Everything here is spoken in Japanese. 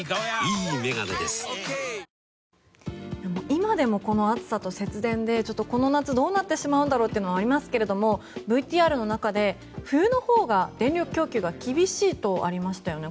今でもこの暑さと節電でこの夏どうなってしまうんだろうというのはありますがＶＴＲの中で冬のほうが電力供給が厳しいとありましたよね。